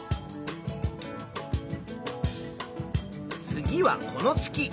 次はこの月。